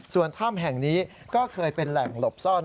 ส่วนถ้ำแห่งนี้ก็เคยเป็นแหล่งหลบซ่อน